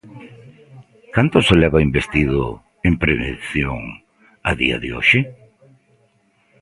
¿Canto se leva investido en prevención a día de hoxe?